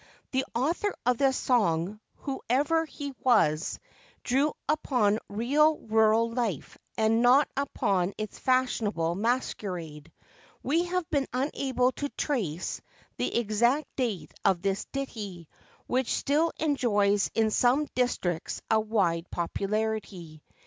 The author of this song, whoever he was, drew upon real rural life, and not upon its fashionable masquerade. We have been unable to trace the exact date of this ditty, which still enjoys in some districts a wide popularity.